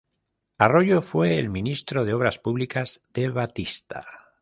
Arroyo fue el ministro de Obras Públicas de Batista.